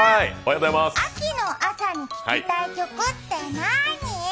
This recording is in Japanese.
秋の朝に聴きたい曲ってなぁに？